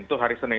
itu hari senin